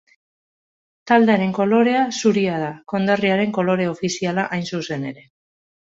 Taldearen kolorea zuria da, konderriaren kolore ofiziala hain zuzen ere.